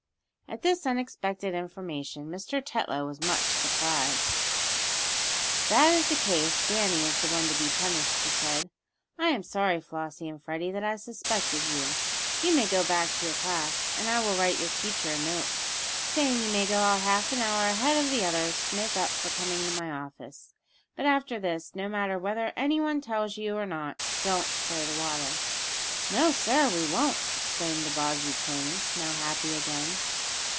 At this unexpected information Mr. Tetlow was much surprised. "If that is the case, Danny is the one to be punished," he said. "I am sorry, Flossie and Freddie, that I suspected you. You may go back to your class, and I will write your teacher a note, saying you may go out half an hour ahead of the others to make up for coming to my office. But, after this, no matter whether anyone tells you or not, don't spray the water." "No, sir, we won't!" exclaimed the Bobbsey twins, now happy again.